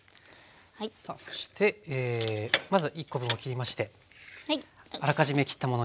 さあそしてまず１コ分を切りましてあらかじめ切ったものに合わせます。